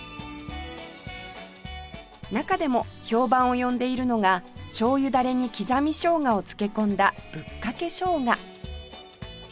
なかでも評判を呼んでいるのが醤油ダレに刻み生姜を漬け込んだ「ぶっかけ生姜」